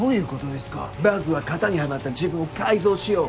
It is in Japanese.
まずは型にはまった自分を改造しよう。